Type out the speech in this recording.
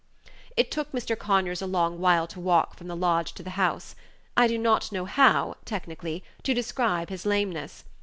It took Mr. Conyers a long while to walk from the lodge to the house. I do not know how, technically, to describe his lameness.